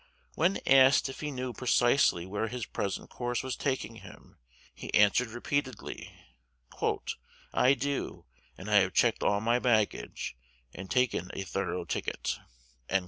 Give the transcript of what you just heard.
When asked if he knew precisely where his present course was taking him, he answered repeatedly, "I do; and I have checked all my baggage, and taken a through ticket."